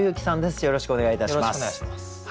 よろしくお願いします。